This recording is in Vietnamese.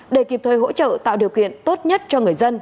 để kịp thời hỗ trợ tạo điều kiện tốt nhất cho người dân